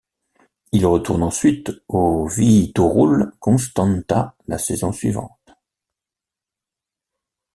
Il retourne ensuite au Viitorul Constanța la saison suivante.